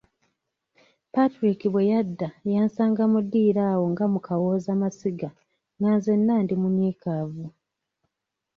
Patrick bwe yadda yansanga mu ddiiro awo nga mu kawozamasiga, nga nzenna ndi munyiikaavu.